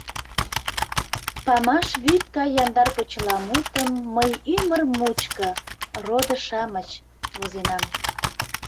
Памаш вӱд гай яндар почеламутым мый ӱмыр мучко, родо-шамыч, возенам.